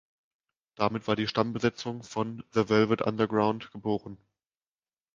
Damit war die Stammbesetzung von "The Velvet Underground" geboren.